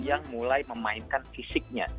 yang mulai memainkan fisiknya